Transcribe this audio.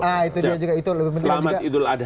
selamat idul adha